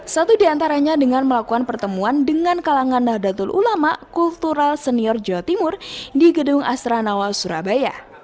satu di antaranya dengan melakukan pertemuan dengan kalangan nahdlatul ulama kultural senior jawa timur di gedung asranawa surabaya